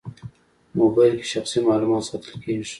موبایل کې شخصي معلومات ساتل کېږي.